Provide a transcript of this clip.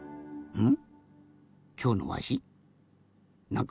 うん。